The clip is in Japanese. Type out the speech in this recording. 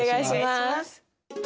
お願いします。